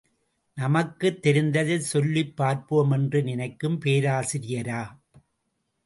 நமக்குத் தெரிந்தைச் சொல்லிப் பார்ப்போம் என்று நினைக்கும் பேராசிரியரா?